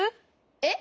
えっ？